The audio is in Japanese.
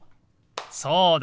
そうだ！